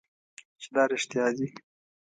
چې دا رښتیا دي .